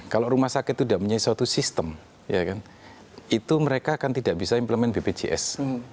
kalau rumah sakit itu sudah punya suatu sistem itu mereka akan tidak bisa implemen bpjs